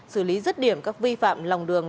xử lý rứt điểm các vi phạm lòng đường